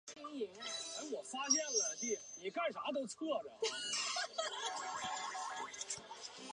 一宫町是千叶县长生郡的一町。